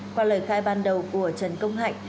qua lời khai ban đầu của trần công hạnh